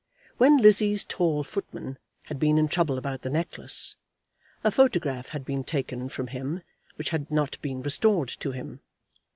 When Lizzie's tall footman had been in trouble about the necklace, a photograph had been taken from him which had not been restored to him.